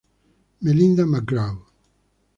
Melinda McGraw